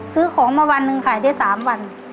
ซื้อของมาวันหนึ่งขายได้๓วัน